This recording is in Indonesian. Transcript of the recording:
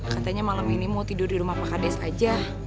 katanya malam ini mau tidur di rumah pak kades aja